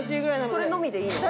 それのみでいいの？